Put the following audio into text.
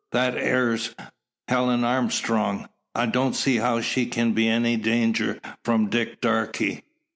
"That air's Helen Armstrong. I don't see how she kin be in any danger from Dick Darke.